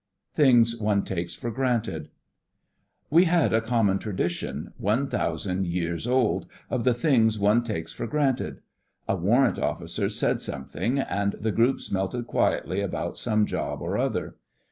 THINGS ONE TAKES FOR GRANTED We had a common tradition, one thousand years old, of the things one takes for granted. A warrant officer said something, and the groups melted quietly about some job or other.